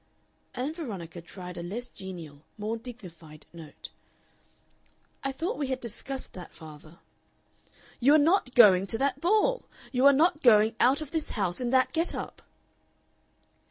Ann Veronica tried a less genial, more dignified note. "I thought we had discussed that, father." "You are not going to that ball! You are not going out of this house in that get up!"